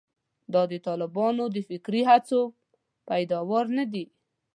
دا د طالبانو د فکري هڅو پیداوار نه دي.